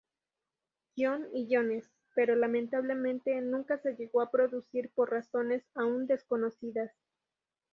John y Jones, pero lamentablemente nunca se llegó a producir por razones aún desconocidas.